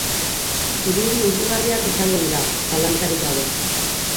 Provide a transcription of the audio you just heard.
Irudi hunkigarriak izango dira, zalantzarik gabe.